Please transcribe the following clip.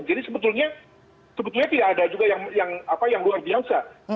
jadi sebetulnya tidak ada juga yang luar biasa